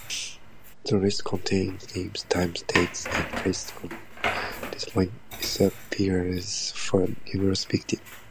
The list contains names, times, dates, and place of disappearance for numerous victims.